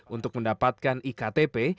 untuk mendapatkan iktp